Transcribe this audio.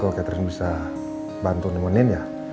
kalau catherine bisa bantu nemenin ya